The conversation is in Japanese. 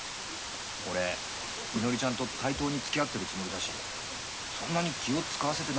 俺みのりちゃんと対等につきあってるつもりだしそんなに気を遣わせてないと思うんだけど。